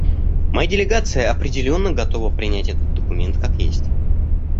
Моя делегация определенно готова принять этот документ как есть.